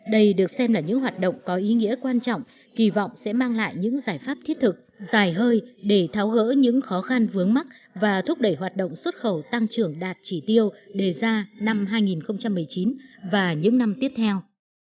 đây được xem là những hoạt động có ý nghĩa quan trọng kỳ vọng sẽ mang lại những giải pháp thiết thực dài hơi để tháo gỡ những khó khăn vướng mắt và thúc đẩy hoạt động xuất khẩu tăng trưởng đạt chỉ tiêu đề ra năm hai nghìn một mươi chín và những năm tiếp theo